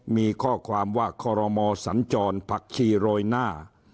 มีข้อความว่าคอรมอสัญจรผักชีโรยหน้า